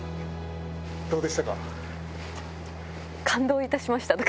どうでしたか？